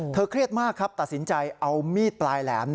เครียดมากครับตัดสินใจเอามีดปลายแหลม